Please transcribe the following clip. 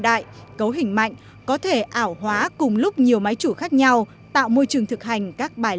đại cấu hình mạnh có thể ảo hóa cùng lúc nhiều máy chủ khác nhau tạo môi trường thực hành các bài